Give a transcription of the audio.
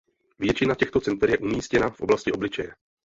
Většina těchto center je umístěna v oblasti obličeje.